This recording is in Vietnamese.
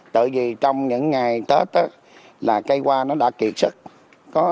tại vì trong những ngày tết là cây hoa nó đã kiệt sức